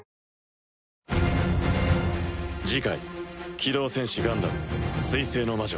「機動戦士ガンダム水星の魔女」